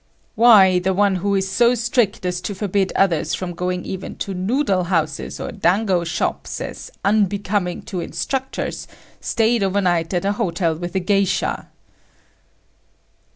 "Why the one who is so strict as to forbid others from going even to noodle house or dango shop as unbecoming to instructors, stayed over night at a hotel with a geisha!"